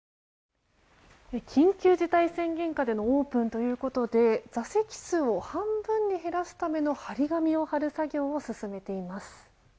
緊急事態宣言下でのオープンということで座席数を半分に減らすための貼り紙を貼る作業を進めています。